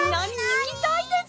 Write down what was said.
ききたいです！